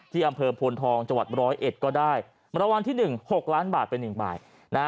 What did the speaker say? ที่อำเภอโพนทองจังหวัดร้อยเอ็ดก็ได้มรวมที่หนึ่ง๖ล้านบาทเป็นหนึ่งบาท